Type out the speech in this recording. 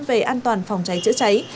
về an toàn phòng cháy chữa cháy